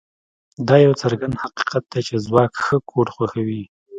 دا یو څرګند حقیقت دی چې ځواک ښه کوډ خوښوي